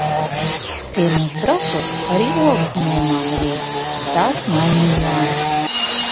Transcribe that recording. Ciemos braucot arī olas ņēmām līdz un tās mainījām.